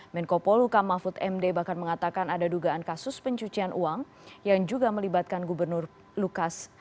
menko poluka mahfud md bahkan mengatakan ada dugaan kasus pencucian uang yang juga melibatkan gubernur lukas